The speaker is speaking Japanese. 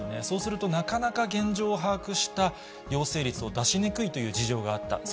そうすると、なかなか現状を把握した陽性率を出しにくいという事情があった。